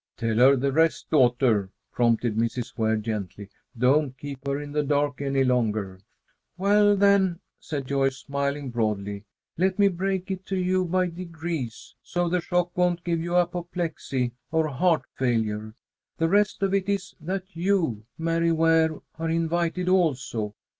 "Tell her the rest, daughter," prompted Mrs. Ware, gently. "Don't keep her in the dark any longer." "Well, then," said Joyce, smiling broadly. "Let me break it to you by degrees, so the shock won't give you apoplexy or heart failure. The rest of it is, that you Mary Ware, are invited also.